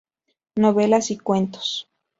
Novelas y cuentos.